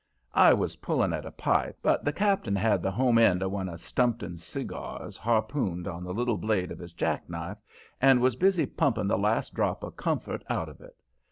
I was pulling at a pipe, but the cap'n had the home end of one of Stumpton's cigars harpooned on the little blade of his jackknife, and was busy pumping the last drop of comfort out of it.